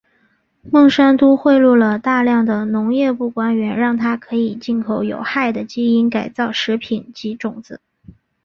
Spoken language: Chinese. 孟山都贿赂了大量的农业部官员让它可以进口有害的基因改造食品及种子。